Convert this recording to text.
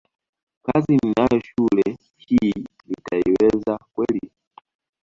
kazi ninayo shule hii nitaiweza kweli